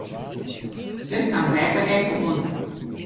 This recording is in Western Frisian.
Dêr kaam beppe ek oan.